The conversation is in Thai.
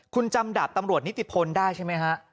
คุณจำดาบตำรวจนิติพลได้ใช่ไหมฮะ